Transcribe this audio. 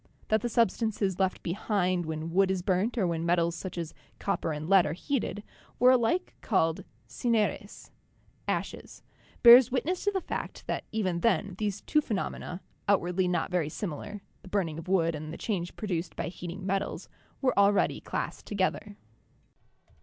That the sub stances left behind when wood is burnt or when metals such as copper and lead are heated, were alike called "cineres" (ashes), bears witness to the fact that even then these two phenomena, outwardly not very similar, the burning of wood and the change produced by heating met als, were already classed together.